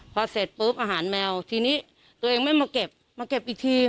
พอเสร็จปุ๊บอาหารแมวทีนี้ตัวเองไม่มาเก็บมาเก็บอีกที